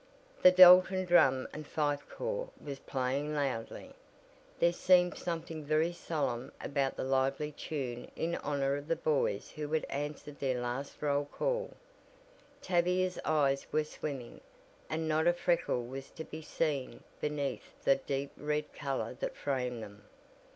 The Dalton Drum and Fife Corps was playing loudly. There seemed something very solemn about the lively tune in honor of the "Boys" who had answered their last roll call. Tavia's eyes were swimming, and not a freckle was to be seen beneath the deep red color that framed them.